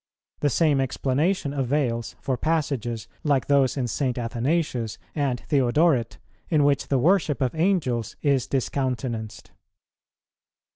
The same explanation avails for passages like those in St. Athanasius and Theodoret, in which the worship of Angels is discountenanced.